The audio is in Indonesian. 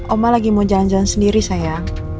oma lagi mau jalan jalan sendiri saya